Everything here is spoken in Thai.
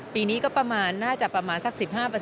ปีนี้ก็ประมาณน่าจะประมาณสัก๑๕